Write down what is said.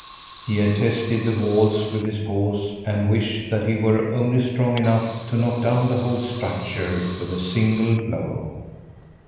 He had tested the walls with his paws and wished that he were only strong enough to knock down the whole structure with a single blow.